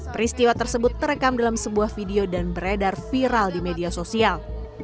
peristiwa tersebut terekam dalam sebuah video dan beredar viral di media sosial